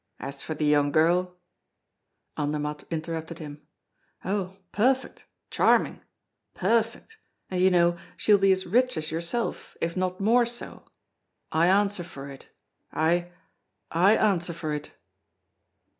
As for the young girl " Andermatt interrupted him: "Oh! perfect charming perfect and you know she will be as rich as yourself if not more so. I answer for it I I answer for it!"